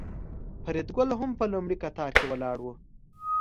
فریدګل هم په لومړي قطار کې ولاړ و